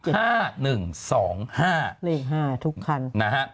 เลข๕ทุกคัน